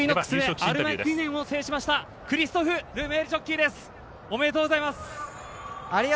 ありがとうございます。